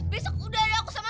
besok udah ada aku sama pak